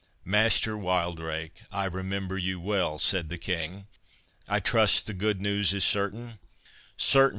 '" "Master Wildrake, I remember you well," said the King. "I trust the good news is certain?" "Certain!